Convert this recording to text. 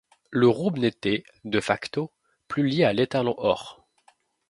Le rouble n'était, de facto, plus lié à l'étalon or.